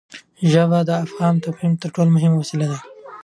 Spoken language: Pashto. ژبه د افهام او تفهیم تر ټولو مهمه وسیله ده.